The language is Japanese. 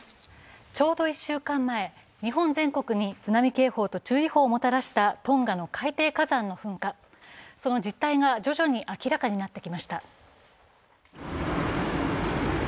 ちょうど１週間前日本全国に津波警報と注意報をもたらしたトンガの海底火山の噴火、その実態が徐々に明らかになってきました。